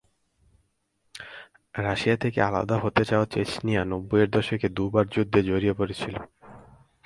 Russia থেকে আলাদা হতে চাওয়া চেচনিয়া নব্বইয়ের দশকে দুবার যুদ্ধে জড়িয়ে পড়েছিল।